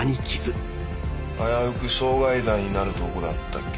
「危うく傷害罪になるとこだったけど」